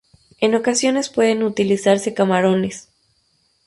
En ocasiones pueden utilizarse camarones.